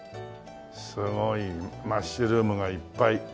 すごいマッシュルームがいっぱい。